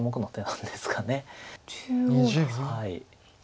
はい。